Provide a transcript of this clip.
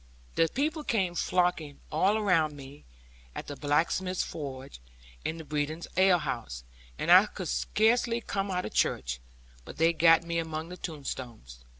The people came flocking all around me, at the blacksmith's forge, and the Brendon alehouse; and I could scarce come out of church, but they got me among the tombstones.